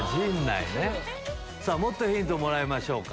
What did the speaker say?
もっとヒントもらいましょうか。